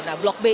nah blok b ini